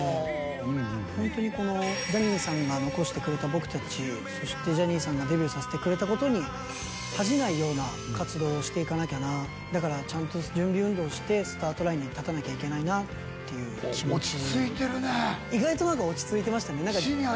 ホントにこのそしてジャニーさんがデビューさせてくれたことに恥じないような活動をしていかなきゃなだからちゃんと準備運動してスタートラインに立たなきゃいけないなっていう気持ち意外と何か落ち着いてましたね